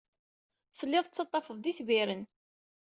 Telliḍ tettaḍḍafeḍ-d itbiren.